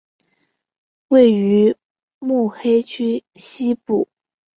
位于目黑区西部。